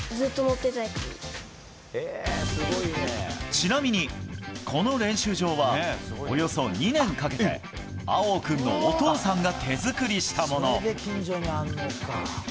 ちなみに、この練習場はおよそ２年かけて葵央君のお父さんが手作りしたもの。